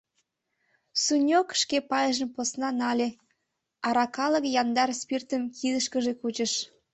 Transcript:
Суньог шке пайжым посна нале — аракалык яндар спиртым кидышкыже кучыш.